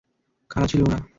কারা ছিল ওরা?